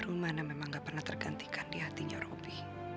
rumana memang nggak pernah tergantikan di hatinya robi